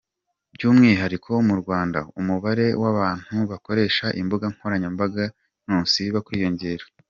By’umwihariko mu Rwanda, umubare w’abantu bakoresha imbuga nkoranyambaga ntusiba kwiyongera.